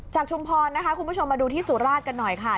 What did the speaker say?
ชุมพรนะคะคุณผู้ชมมาดูที่สุราชกันหน่อยค่ะ